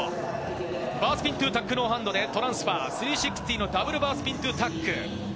バースピントゥタックノーハンドでトランスファー、３６０のダブルバースピントゥタック。